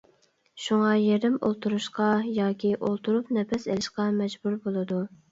شۇڭا يېرىم ئولتۇرۇشقا ياكى ئولتۇرۇپ نەپەس ئېلىشقا مەجبۇر بولىدۇ.